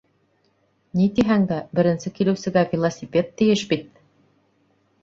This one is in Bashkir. Ни тиһәң дә, беренсе килеүсегә велосипед тейеш бит!